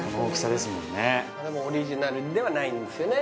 でもオリジナルではないんですよね？